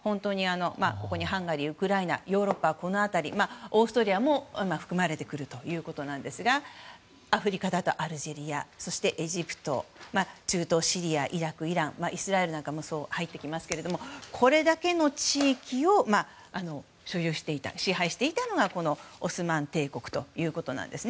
ハンガリーやウクライナヨーロッパはこの辺りオーストリアも含まれてくるということですがアフリカだとアルジェリアエジプト、中東のシリア、イラク、イランイスラエルなども入りますがこれだけの地域を所有していた支配していたのがこのオスマン帝国ということなんです。